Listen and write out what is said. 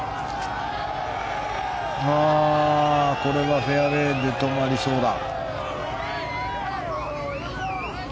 これはフェアウェーで止まりそうだ。